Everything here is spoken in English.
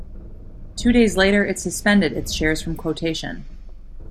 Two days later, it suspended its shares from quotation.